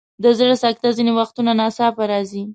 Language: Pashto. د زړه سکته ځینې وختونه ناڅاپه راځي.